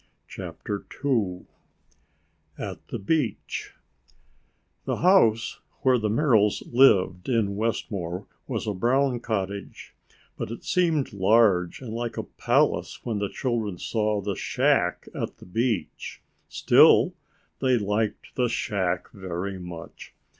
CHAPTER II AT THE BEACH The house where the Merrills lived in Westmore was a brown cottage, but it seemed large and like a palace when the children saw the shack at the beach. Still, they liked the shack very much.